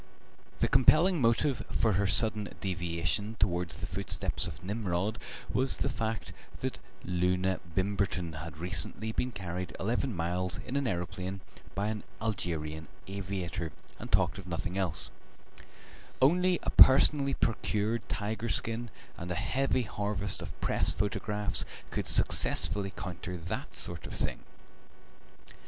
The compelling motive for her sudden deviation towards the footsteps of Nimrod was the fact that Loona Bimberton had recently been carried eleven miles in an aeroplane by an Algerian aviator, and talked of nothing else; only a personally procured tiger skin and a heavy harvest of Press photographs could successfully counter that sort of thing.